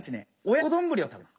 親子丼を食べてます。